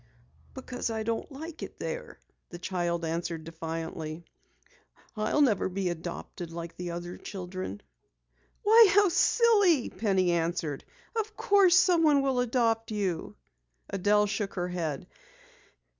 "Because I don't like it there," the child answered defiantly. "I'll never be adopted like the other children." "Why, how silly!" Penny answered. "Of course someone will adopt you." Adelle shook her head.